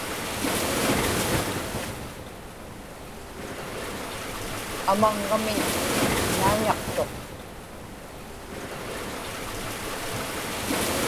amaŋŋamiñ naiñaqtuq